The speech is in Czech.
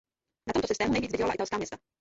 Na tomto systému nejvíce vydělala italská města.